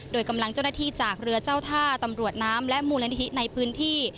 โดยกำลังเจ้าหน้าที่จากเรือเจ้าท่าตำรวจน้ำและมูลนิธิในพื้นที่